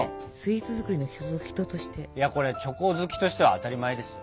いやこれチョコ好きとしては当たり前ですよ。